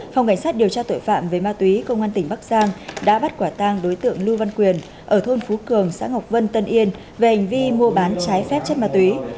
phòng cảnh sát điều tra tội phạm về ma túy công an tỉnh bắc giang đã bắt quả tang đối tượng lưu văn quyền ở thôn phú cường xã ngọc vân tân yên về hành vi mua bán trái phép chất ma túy